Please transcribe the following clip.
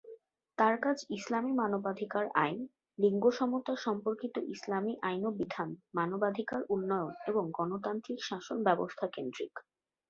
তার কাজ ইসলামি মানবাধিকার আইন, লিঙ্গ সমতা সম্পর্কিত ইসলামি আইন ও বিধান, মানবাধিকার উন্নয়ন এবং গণতান্ত্রিক শাসন ব্যবস্থা কেন্দ্রিক।